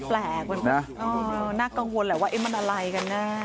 มันก็แปลกนะอ๋อน่ากังวลแหละว่าไอ้มันอะไรกันนะ